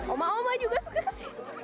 oma oma juga suka kesini